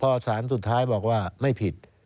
พอสารสุดท้ายบอกว่าไม่ผิด